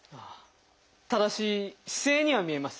正しい姿勢には見えます。